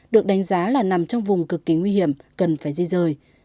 được đánh giá là nằm trong vùng cực kỳ nguy hiểm cần phải di rời